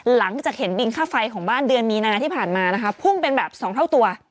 หลังจากเห็นบินค่าไฟของบ้านเดือนมีนาที่ผ่านมานะคะพุ่งเป็นแบบ๒เท่าตัว